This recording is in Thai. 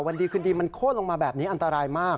วันดีคืนดีมันโค้นลงมาแบบนี้อันตรายมาก